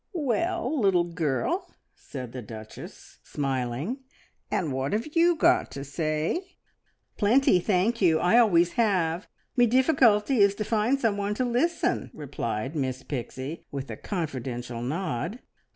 "Well, little girl," said the Duchess, smiling, "and what have you got to say?" "Plenty, thank you! I always have. Me difficulty is to find someone to listen!" replied Miss Pixie, with a confidential nod.